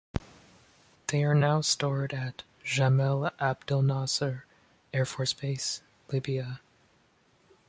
They are now stored at Jamal Abdelnasser Air Force Base, Libya.